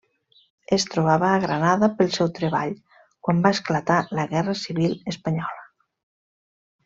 Es trobava a Granada pel seu treball quan va esclatar la Guerra Civil Espanyola.